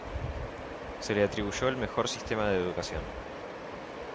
Se le atribuyó el mejor sistema de educación.